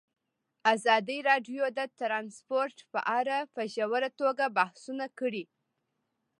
ازادي راډیو د ترانسپورټ په اړه په ژوره توګه بحثونه کړي.